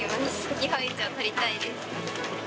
日本一を取りたいです。